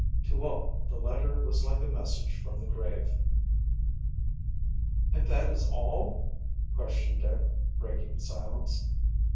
To all the letter was like a message from the grave. "And that is all?" questioned Dick, breaking the silence.